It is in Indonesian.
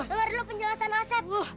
dengar dulu penjelasan asep